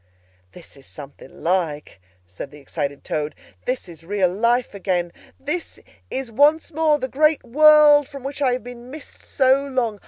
"This is something like!" said the excited Toad. "This is real life again, this is once more the great world from which I have been missed so long!